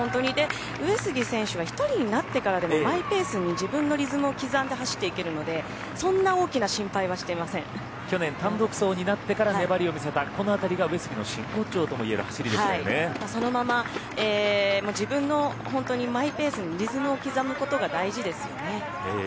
上杉選手は１人になってからでもマイペースに自分のリズムを刻んで走っていけるので去年、単独走になってから粘りを見せた、この辺りが上杉の真骨頂ともいえるそのまま自分のマイペースにリズムを刻むことが大事ですよね。